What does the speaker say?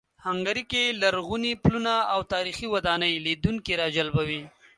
هنګري کې لرغوني پلونه او تاریخي ودانۍ لیدونکي راجلبوي.